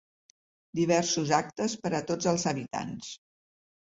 Diversos actes per a tots els habitants.